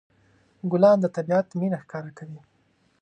ګلان د طبيعت مینه ښکاره کوي.